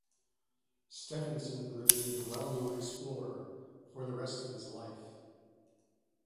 Stefansson remained a well-known explorer for the rest of his life.